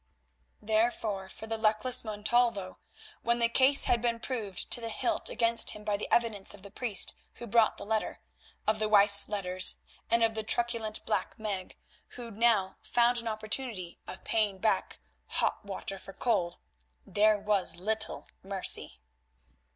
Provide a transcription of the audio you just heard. Therefore, for the luckless Montalvo, when the case had been proved to the hilt against him by the evidence of the priest who brought the letter, of the wife's letters, and of the truculent Black Meg, who now found an opportunity of paying back "hot water for cold," there was little mercy.